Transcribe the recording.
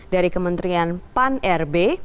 dari kementerian pan rb